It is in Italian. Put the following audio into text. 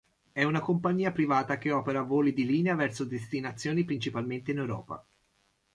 È una compagnia privata che opera voli di linea verso destinazioni principalmente in Europa.